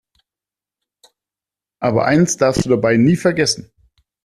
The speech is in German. Aber eines darfst du dabei nie vergessen.